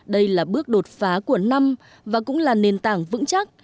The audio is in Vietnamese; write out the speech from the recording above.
đây là bước đột phá của năm và cũng là nền tảng vững chắc